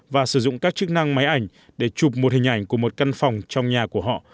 và sử dụng các chức năng máy ảnh để chụp một hình ảnh của một căn phòng trong nhà của họ